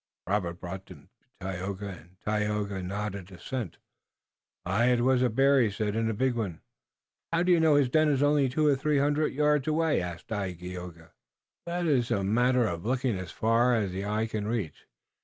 Robert brought them to him and Tayoga nodded assent. "Aye, it was a bear," he said, "and a big one." "But how do you know his den is only two or three hundred yards away?" "That is a matter of looking as far as the eyes can reach.